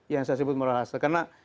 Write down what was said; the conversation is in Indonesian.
yang saya sebut moral hasil karena